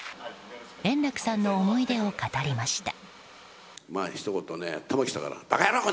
円楽さんの思い出を語りました。